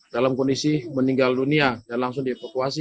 dalam kondisi meninggal dunia dan langsung dievakuasi